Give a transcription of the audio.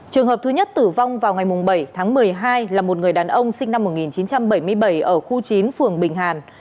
trường hợp thứ nhất tử vong vào ngày bảy tháng một mươi hai là một người đàn ông sinh năm một nghìn chín trăm bảy mươi bảy ở khu chín phường bình hàn